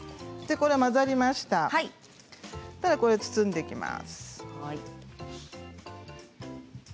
これを包んでいきます。